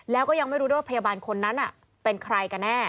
แล้วก็ยังไม่รู้ด้วยว่าพยาบาลคนนั้นเป็นใครกันแน่